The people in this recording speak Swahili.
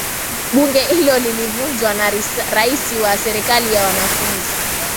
bunge hilo lilivunjwa na raisi wa serikali ya wanafunzi